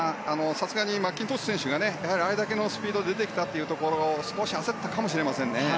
さすがにマッキントッシュ選手があれだけのスピードで出てきたので少し焦ったかもしれませんね。